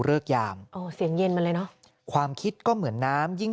เลิกยามอ๋อเสียงเย็นมาเลยเนอะความคิดก็เหมือนน้ำยิ่ง